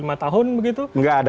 nggak ada hubungannya